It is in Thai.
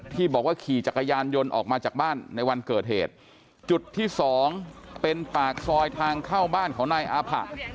ที่บอกว่าขี่จักรยานยนต์ออกมาจากบ้านในวันเกิดเหตุจุดที่สองเป็นปากซอยทางเข้าบ้านของนายอาผะ